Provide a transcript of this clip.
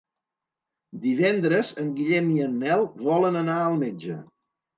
Divendres en Guillem i en Nel volen anar al metge.